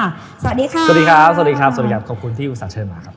สวัสดีค่ะสวัสดีครับสวัสดีครับสวัสดีครับขอบคุณที่อุตส่าหเชิญมาครับ